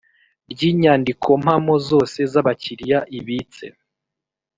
ry inyandikompamo zose z abakiriya ibitse